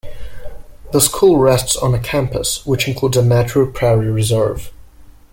The school rests on a campus which includes a natural prairie reserve.